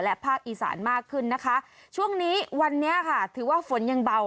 และภาคอีสานมากขึ้นนะคะช่วงนี้วันนี้ค่ะถือว่าฝนยังเบา